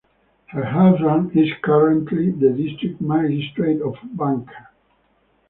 Her husband is currently the District Magistrate of Banka.